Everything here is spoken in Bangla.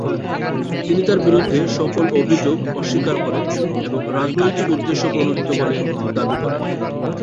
তিনি তার বিরুদ্ধে সকল অভিযোগ অস্বীকার করেন এবং রাজনৈতিক উদ্দেশ্য প্রণোদিত বলে দাবী করেন।